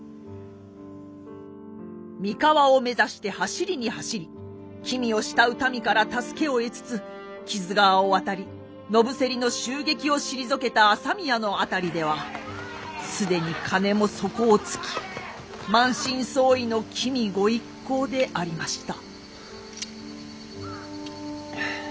三河を目指して走りに走り君を慕う民から助けを得つつ木津川を渡り野伏せりの襲撃を退けた朝宮の辺りでは既に金も底をつき満身創痍の君御一行でありました。